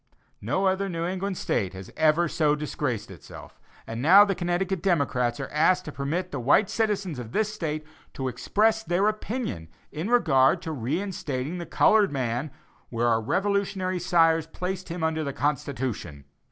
No other New England State has ever so disgraced herself; and now Connecticut democrats are asked to permit the white citizens of this State to express their opinion in regard to re instating the colored man where our Revolutionary sires placed him under the Constitution.